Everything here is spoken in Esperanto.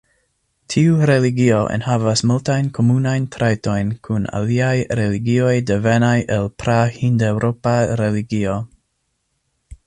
Tiu religio enhavas multajn komunajn trajtojn kun aliaj religioj devenaj el pra-hindeŭropa religio.